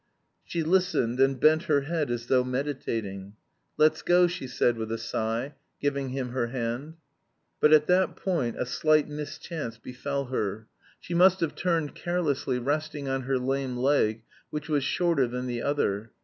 She listened, and bent her head as though meditating. "Let's go," she said with a sigh, giving him her hand. But at that point a slight mischance befell her. She must have turned carelessly, resting on her lame leg, which was shorter than the other.